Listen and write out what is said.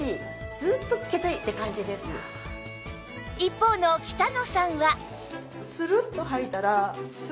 一方の北野さんは